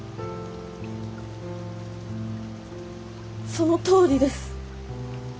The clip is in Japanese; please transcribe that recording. そのとおりです。